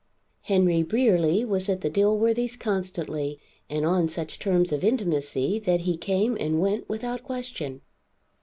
Henry Brierly was at the Dilworthy's constantly and on such terms of intimacy that he came and went without question.